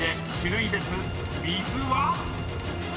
［水は⁉］